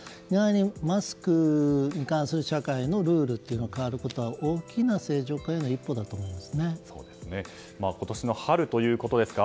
マスクに関する社会のルールが変わることは大きな正常への一歩だと思います。